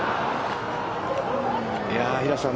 平瀬さん